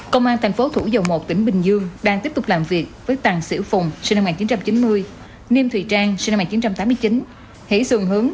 công an thành phố thủ dầu một tỉnh bình dương đang tiếp tục làm việc với tàng sĩ phùng sinh năm một nghìn chín trăm chín mươi niêm thùy trang sinh năm một nghìn chín trăm tám mươi chín hỷ xuồng hướng